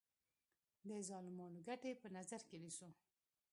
د ظالمانو ګټې په نظر کې نیسو.